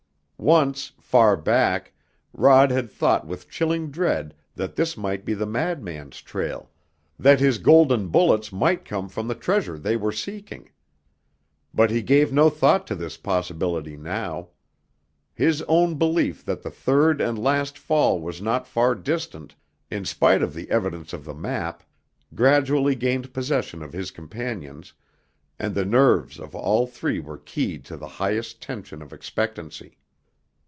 Once, far back, Rod had thought with chilling dread that this might be the madman's trail, that his golden bullets might come from the treasure they were seeking. But he gave no thought to this possibility now. His own belief that the third and last fall was not far distant, in spite of the evidence of the map, gradually gained possession of his companions, and the nerves of all three were keyed to the highest tension of expectancy.